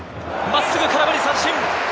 真っすぐ、空振り三振！